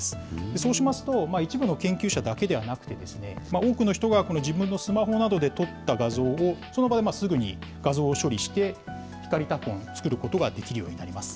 そうしますと、一部の研究者だけではなくて、多くの人が自分のスマホなどで撮った画像を、その場ですぐに画像処理して、ひかり拓本、作ることができるようになります。